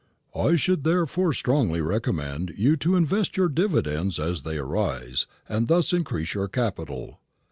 "I should therefore strongly recommend you to invest your dividends as they arise, and thus increase your capital."